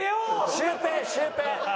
シュウペイシュウペイ。